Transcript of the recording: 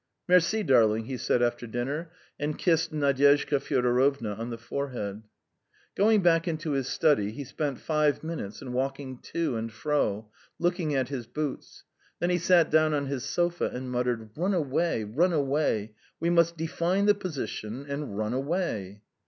"Merci, darling," he said after dinner, and kissed Nadyezhda Fyodorovna on the forehead. Going back into his study, he spent five minutes in walking to and fro, looking at his boots; then he sat down on his sofa and muttered: "Run away, run away! We must define the position and run away!"